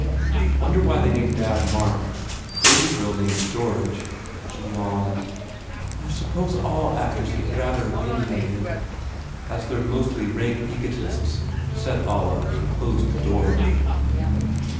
Wonder why they named dad Mark? Gurdy s real name s George." She 212 COSMO RAND yawned, "I suppose all actors get rather opinion ated." "As they re mostly rank .egotists," said Olive and closed the door.